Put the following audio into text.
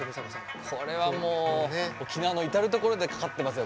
これはもう沖縄の至る所でかかってますよ